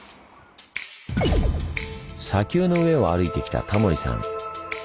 砂丘の上を歩いてきたタモリさん。